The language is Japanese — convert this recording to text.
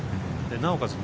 なおかつ